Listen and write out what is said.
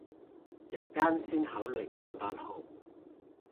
日間先考慮掛八號